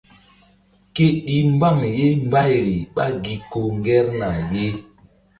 Ke ɗi mbaŋ ye mbayri ɓá gi ko ŋgerna ye.